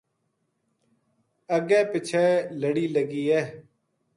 اگے پچھے لڑی لگی ہے